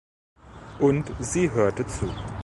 Und sie hörte zu.